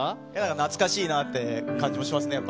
懐かしいなって感じもします